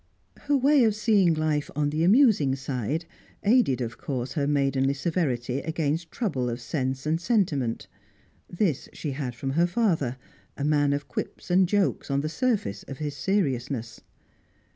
Her way of seeing life on the amusing side aided, of course, her maidenly severity against trouble of sense and sentiment. This she had from her father, a man of quips and jokes on the surface of his seriousness.